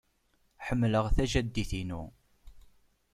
Ḥemmleɣ tajaddit-inu.